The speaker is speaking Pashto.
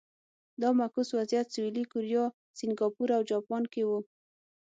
دا معکوس وضعیت سویلي کوریا، سینګاپور او جاپان کې و.